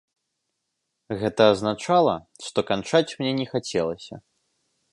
Гэта азначала, што канчаць мне не хацелася.